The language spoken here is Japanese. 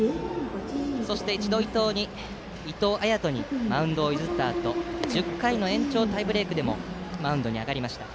そして、一度伊藤彩斗にマウンドを譲ったあと１０回の延長タイブレークでもマウンドに上がりました。